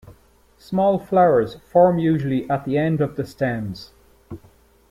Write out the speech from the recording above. Small flowers, form usually at the ends of the stems.